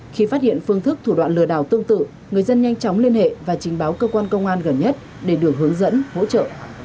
khi phát hiện phương thức thủ đoạn lừa đảo tương tự người dân nhanh chóng liên hệ và trình báo cơ quan công an gần nhất để được hướng dẫn hỗ trợ